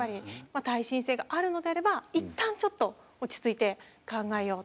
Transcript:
耐震性があるのであれば一旦ちょっと落ち着いて考えようと。